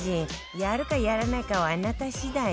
やるかやらないかはあなた次第よ